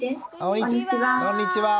こんにちは。